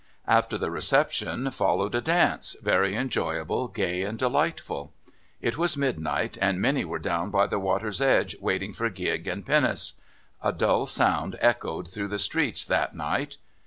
After the reception followed a dance, very enjoyable, gay, and delightful. It was midnight, and many were down by the water's edge waiting for gig and pinnace. A dull sound echoed through the streets that night.